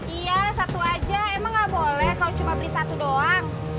iya satu aja emang gak boleh kalau cuma beli satu doang